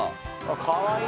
かわいい！